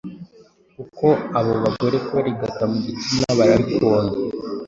kuko abo bagore kubarigata mu gitsina barabikunda